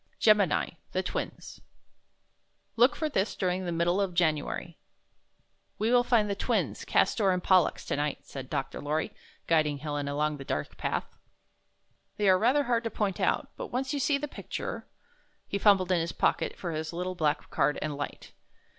GEMINI, THE TWINS Look for this during the middle of January 'We will find the Twins, Cas' tor and Pol lux, tonight," said Dr. Lorry, guiding Helen along the dark path. "They are rather hard to point out, but once you see the picture —" he fumbled in his pocket for his little black card and hght.